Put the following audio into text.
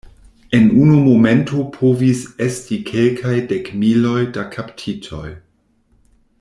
En unu momento povis esti kelkaj dekmiloj da kaptitoj.